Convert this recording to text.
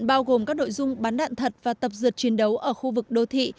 bao gồm các đội dung bắn đạn thật và tập dượt chiến đấu ở khu vực đô thị